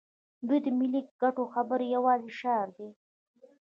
دوی د ملي ګټو خبرې یوازې شعار دي.